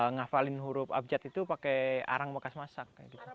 ngafalin huruf abjad itu pakai arang bekas masak